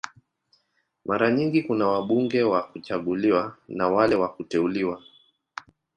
Mara nyingi kuna wabunge wa kuchaguliwa na wale wa kuteuliwa.